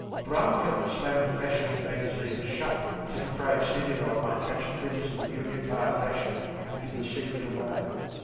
Abramka slammed the fashion magazine shut as if afraid that Semyonov might catch a glimpse of the new Empire fashion and give the secret away.